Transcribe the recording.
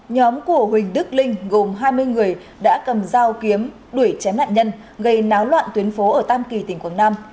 nhóm của huỳnh đức linh gồm hai mươi người đã cầm dao kiếm đuổi chém nạn nhân gây náo loạn tuyến phố ở tam kỳ tỉnh quảng nam